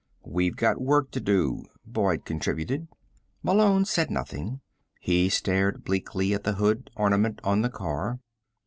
"We've got work to do," Boyd contributed. Malone said nothing. He stared bleakly at the hood ornament on the car.